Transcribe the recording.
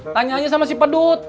tanyanya sama si pedut